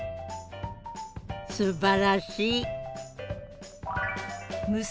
すばらしい！